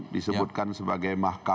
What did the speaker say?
disebutkan sebagai mahkamah